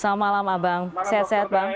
selamat malam abang sehat sehat bang